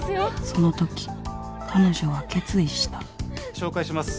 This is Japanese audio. その時彼女は決意した紹介します。